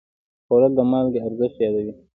خوړل د مالګې ارزښت یادوي